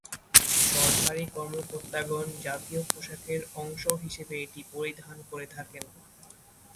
সরকারি কর্মকর্তাগণ জাতীয় পোশাকের অংশ হিসেবে এটি পরিধান করে থাকেন।